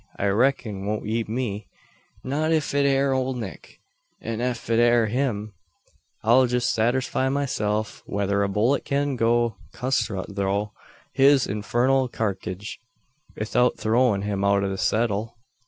I reck'n it won't eet me not ef it air ole Nick; an ef it air him, I'll jest satersfy meself whether a bullet kin go custrut thro' his infernal karkidge 'ithout throwin' him out o' the seddle.